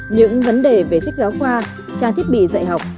những vấn đề về sách giáo khoa trang thiết bị dạy học